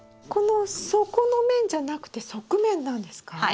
この底の面じゃなくて側面なんですか？